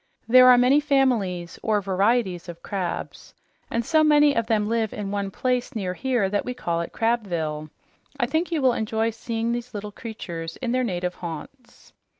There are many families or varieties of crabs, and so many of them live in one place near here that we call it Crabville. I think you will enjoy seeing these little creatures in their native haunts."